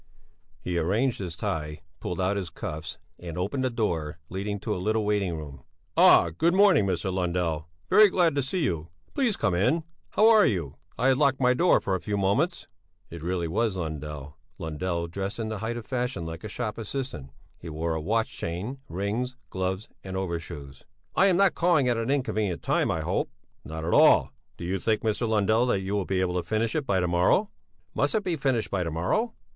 He arranged his tie, pulled out his cuffs and opened the door leading to a little waiting room. "Ah! Good morning, Mr. Lundell! Very glad to see you! Please come in! How are you? I had locked my door for a few moments." It really was Lundell; Lundell dressed in the height of fashion like a shop assistant; he wore a watch chain, rings, gloves and overshoes. "I am not calling at an inconvenient time, I hope?" "Not at all! Do you think, Mr. Lundell, that you will be able to finish it by to morrow?" "Must it be finished by to morrow?"